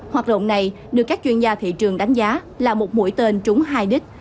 hoạt động này được các chuyên gia thị trường đánh giá là một mũi tên trúng hai d